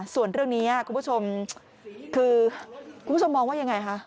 ส่วนเรื่องนี้คุณผู้ชมคือคุณผู้ชมมองว่ายังไงคะ